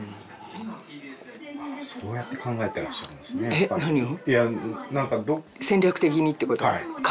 えっ何を？